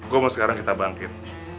gue mau sekarang kita bangkit